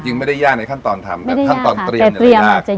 จริงไม่ได้ยากในขั้นตอนทำแต่ขั้นตอนเตรียมจะเราไม่ได้ยาก